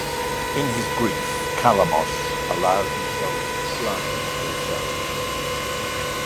In his grief, Kalamos allowed himself to drown also.